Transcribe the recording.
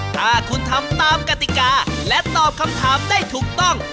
ถ้าคุณทำตามกติกาและตอบคำถามได้ถูกต้อง